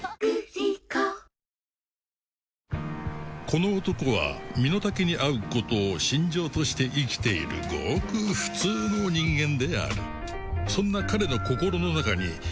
この男は身の丈に合うことを信条として生きているごく普通の人間であるそんな彼の心の中に新しい「家」の姿が生まれた